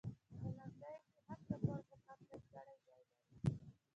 په لنډیو کې هم د مور مقام ځانګړی ځای لري.